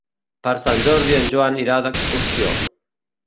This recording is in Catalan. Per Sant Jordi en Joan irà d'excursió.